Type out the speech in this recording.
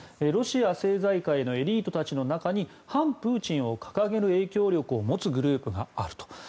ロシア政財界のエリートたちの中に反プーチンを掲げる影響力を持つグループがあると。